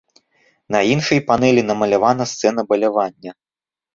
На іншай панэлі намалявана сцэна балявання.